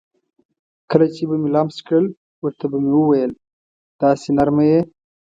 کله چې به مې لمس کړل ورته به مې وویل: داسې نرمه یې.